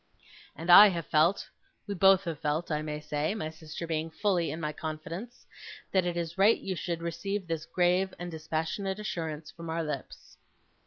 And I have felt we both have felt, I may say; my sister being fully in my confidence that it is right you should receive this grave and dispassionate assurance from our lips.